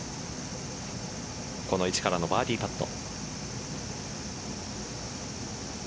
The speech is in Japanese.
この位置からのバーディーパット。